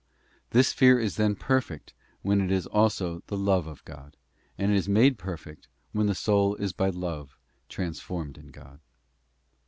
This fear is then perfect when it is also the love of God, and it is made perfect when the soul is by love transformed in God.